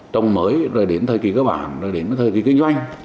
trồng mới rồi đến thời kỳ cơ bản rồi đến thời kỳ kinh doanh